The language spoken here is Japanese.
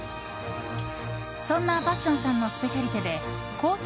そんなパッションさんのスペシャリテでコース